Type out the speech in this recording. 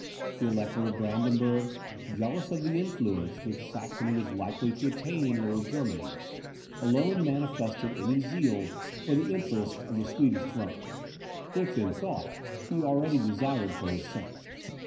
The Elector of Brandenburg, jealous of the influence which Saxony was likely to attain in Lower Germany, alone manifested any zeal for the interests of the Swedish throne, which, in thought, he already destined for his son.